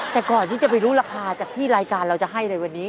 แต่ก่อนที่จะไปรู้ราคาจากที่รายการเราจะให้ในวันนี้